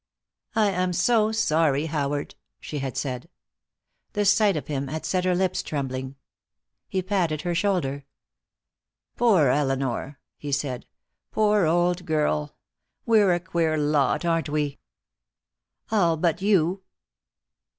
"I am so sorry, Howard," she had said. The sight of him had set her lips trembling. He patted her shoulder. "Poor Elinor," he said. "Poor old girl! We're a queer lot, aren't we?" "All but you."